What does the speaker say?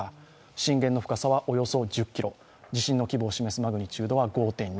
震源の深さはおよそ１０ｋｍ、地震の規模を示すマグニチュードは５．２。